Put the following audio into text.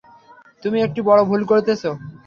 তুমি একটি বড় ভুল করতেছ।